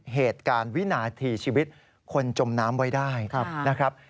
เหตุการณ์วินาทีชีวิตคนจมน้ำไว้ได้นะครับ